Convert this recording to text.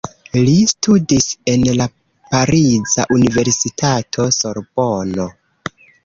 Li studis en la pariza universitato Sorbono.